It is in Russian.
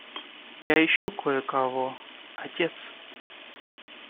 Я ищу кое-кого, отец.